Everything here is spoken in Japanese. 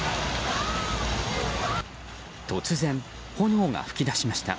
突然、炎が噴き出しました。